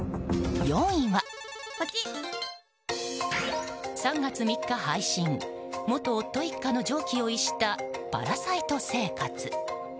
４位は、３月３日配信元夫一家の常軌を逸したパラサイト生活。